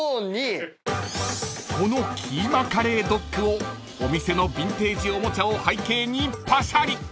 ［このキーマカレードッグをお店のビンテージおもちゃを背景にパシャリ］